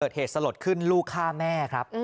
เหตุสลดขึ้นลูกฆ่าแม่ครับ